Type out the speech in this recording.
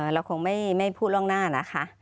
เราคงไม่พูดล่วงหน้านะคะ